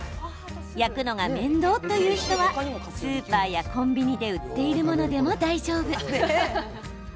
焼くのが面倒という人はスーパーやコンビニで売っているものでも大丈夫。